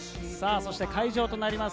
そして会場となります